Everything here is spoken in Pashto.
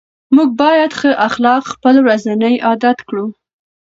موږ باید ښه اخلاق خپل ورځني عادت کړو